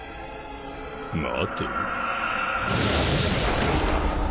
「待て」？